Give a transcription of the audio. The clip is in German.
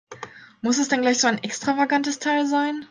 Muss es denn gleich so ein extravagantes Teil sein?